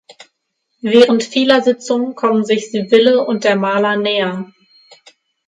Während vieler Sitzungen kommen sich Sibylle und der Maler näher.